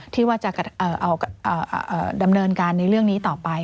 ที่ว่าจะดำเนินการในเรื่องนี้ต่อไป